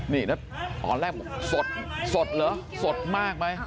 นี่แล้วตอนแรกบอกสดเหรอสดมากไหม